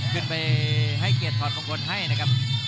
ขึ้นไปให้เกรียดถอดของคนให้นะครับ